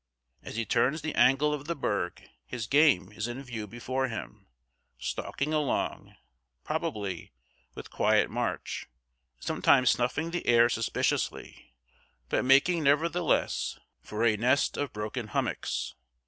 As he turns the angle of the berg his game is in view before him, stalking along, probably, with quiet march, sometimes snuffing the air suspiciously, but making, nevertheless, for a nest of broken hummocks.